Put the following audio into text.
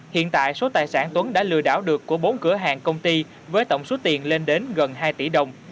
hiện tại số tài sản tuấn đã lừa đảo được của bốn cửa hàng công ty với tổng số tiền lên đến gần hai tỷ đồng